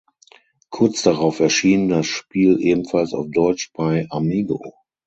Kurz darauf erschien das Spiel ebenfalls auf deutsch bei Amigo.